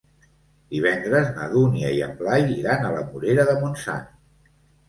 Divendres na Dúnia i en Blai iran a la Morera de Montsant.